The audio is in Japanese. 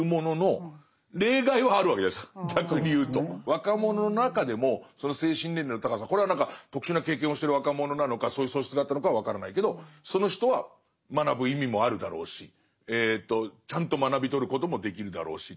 若者の中でも精神年齢の高さこれは特殊な経験をしてる若者なのかそういう素質があったのかは分からないけどその人は学ぶ意味もあるだろうしちゃんと学び取ることもできるだろうし。